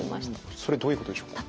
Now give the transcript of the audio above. それどういうことでしょうか。